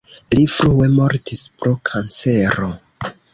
Li frue mortis pro kancero.